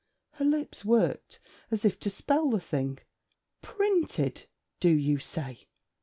Her lips worked, as if to spell the thing. 'Printed, do you say?'